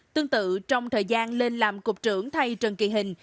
tương tự trong thời gian lên làm cục trưởng thay trần kỳ hình